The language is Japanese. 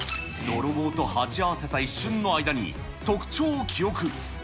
泥棒と鉢合わせた一瞬の間に特徴を記憶。